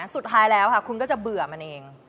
สุดท้ายแล้วค่ะคุณก็จะเบื่อมันเอง